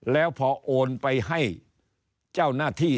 แล้วพอโอนไปให้เจ้านาธิ